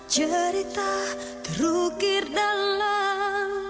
cerita terukir dalam